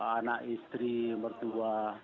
anak istri mertua